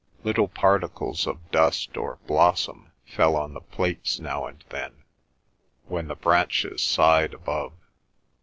Little particles of dust or blossom fell on the plates now and then when the branches sighed above.